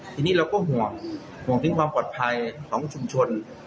ทีนี้เราก็ห่วงห่วงถึงความปลอดภัยของชุมชน